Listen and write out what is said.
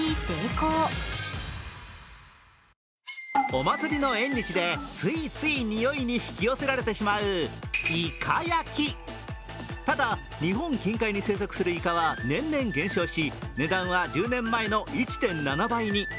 お祭りの縁日でついついにおいに引き寄せられてしまうイカ焼き、ただ、日本近海に生息するイカは年々減少し値段は１０年前の１．７倍に。